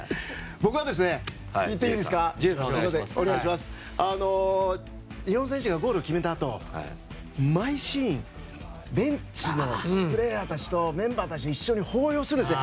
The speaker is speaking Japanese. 僕は日本の選手がゴール決めたあと毎シーンベンチのプレーヤーたちとメンバーたちが一緒に抱擁するんですよね。